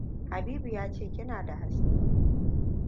Habibu ya ce kina da haske.